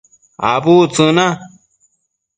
Abudtsëc na